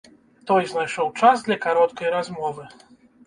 Той знайшоў час для кароткай размовы.